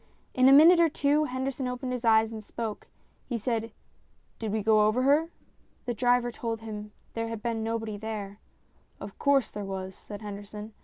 In a minute or two Henderson opened his eyes and spoke. He said, " Did we go over her ?" The driver told him 232 STORIES IN GREY there had been nobody there. " Of course, there was," said Henderson.